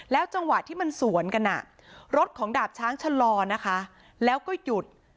แล้วจังหวัดที่มันสวนกันรถของดาบช้างชะลอแล้วก็หยุด